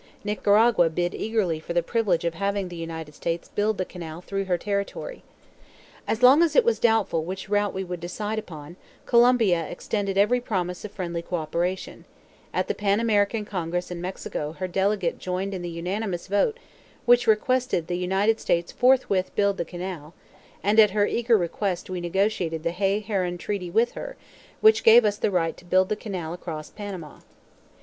Nicaragua bid eagerly for the privilege of having the United States build the canal through her territory. As long as it was doubtful which route we would decide upon, Colombia extended every promise of friendly cooperation; at the Pan American Congress in Mexico her delegate joined in the unanimous vote which requested the United States forthwith to build the canal; and at her eager request we negotiated the Hay Herran Treaty with her, which gave us the right to build the canal across Panama.